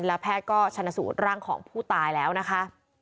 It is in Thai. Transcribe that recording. แล้วแพทย์ก็ชนะสูตรร่างของผู้ตายแล้วนะคะ